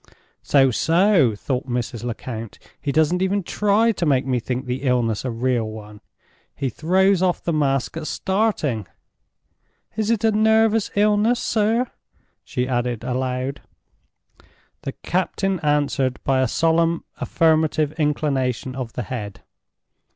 "So! so!" thought Mrs. Lecount. "He doesn't even try to make me think the illness a real one; he throws off the mask at starting.—Is it a nervous illness, sir?" she added, aloud. The captain answered by a solemn affirmative inclination of the head.